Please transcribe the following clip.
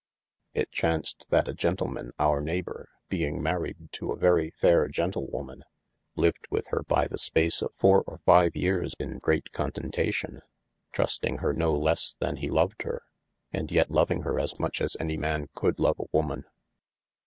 It chaunced that a gentleman our neyghbour being maryed to a very fayre gentlewoman, lived with hir by the space of fower or five yeares in greate contentacion, trusting hir no lesse than he loved hir, and yet loving hir as much as any man could love a woman.